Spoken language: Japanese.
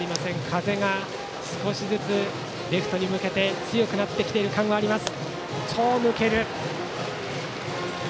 風が少しずつレフトに向けて強くなってきている感はあります。